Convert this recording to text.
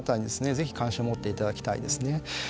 ぜひ関心を持っていただきたいですね。